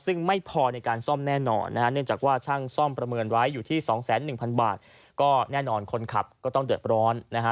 ซึ่งไม่พอในการซ่อมแน่นอนนะฮะเนื่องจากว่าช่างซ่อมประเมินไว้อยู่ที่สองแสนหนึ่งพันบาทก็แน่นอนคนขับก็ต้องเดือดร้อนนะฮะ